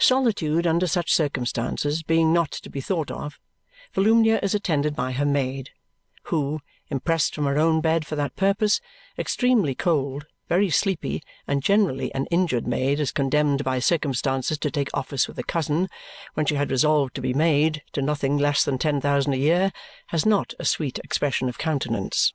Solitude under such circumstances being not to be thought of, Volumnia is attended by her maid, who, impressed from her own bed for that purpose, extremely cold, very sleepy, and generally an injured maid as condemned by circumstances to take office with a cousin, when she had resolved to be maid to nothing less than ten thousand a year, has not a sweet expression of countenance.